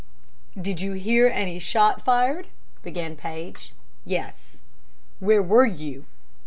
"Did you hear any shot fired?" began Paige. "Yes." "Where were you?"